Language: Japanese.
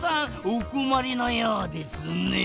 おこまりのようですねぇ。